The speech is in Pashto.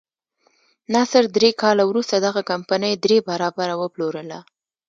نصر درې کاله وروسته دغه کمپنۍ درې برابره وپلورله.